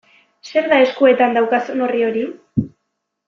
Zer da eskuetan daukazun orri hori?